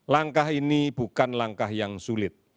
langkah ini bukan langkah yang sulit